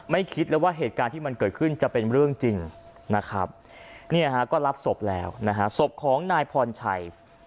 ไม่คิดเลยว่าเหตุการณ์ที่มันเกิดขึ้นจะเป็นเรื่องจริงนี่ก็รับศพแล้วศพของนายพ่อชัย